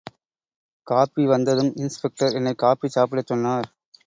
Coffee வந்ததும் inspector என்னை coffee சாப்பிடச் சொன்னார்.